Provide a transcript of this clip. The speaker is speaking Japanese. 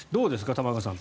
玉川さん。